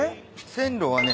線路はね